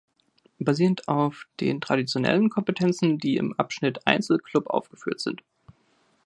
Basierend auf den traditionellen Kompetenzen, die im Abschnitt Einzelclub aufgeführt sind.